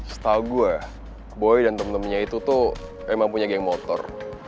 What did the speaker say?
setahu gue boy dan temen temennya itu tuh emang punya geng motor